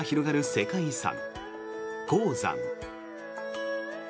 世界遺産・黄山。